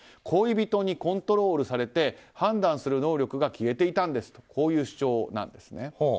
恋人にコントロールされて判断する能力が消えていたという主張なんですね。